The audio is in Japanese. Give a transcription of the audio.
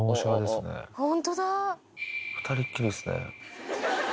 ２人っきりですね。